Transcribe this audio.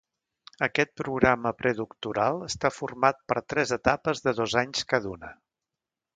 Aquest programa predoctoral està format per tres etapes de dos anys cada una.